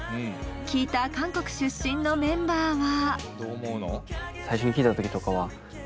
聴いた韓国出身のメンバーは？